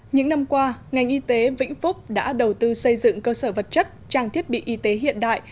những năm qua ngành y tế vĩnh phúc đã đầu tư xây dựng cơ sở vật chất trang thiết bị y tế hiện đại